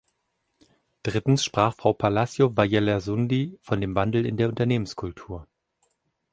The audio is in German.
Drittens sprach Frau Palacio Vallelersundi von dem Wandel in der Unternehmenskultur.